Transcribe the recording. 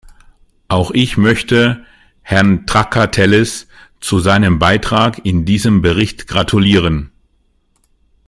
Auch ich möchte Herrn Trakatellis zu seinem Beitrag in diesem Bericht gratulieren.